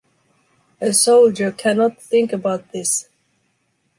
A soldier cannot think about this.